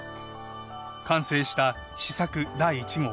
完成した試作第一号。